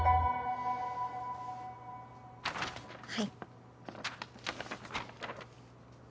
はい。